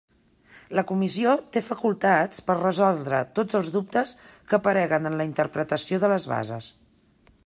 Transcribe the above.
La Comissió té facultats per a resoldre tots els dubtes que apareguen en la interpretació de les bases.